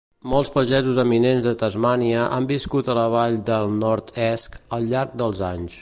Molts pagesos eminents de Tasmània han viscut a la vall del North Esk al llarg dels anys.